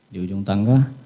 di ujung tangga